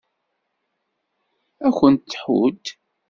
Ad ken-tḥudd.